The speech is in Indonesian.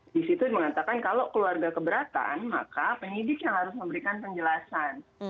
di situ mengatakan kalau keluarga keberatan maka penyidik yang harus memberikan penjelasan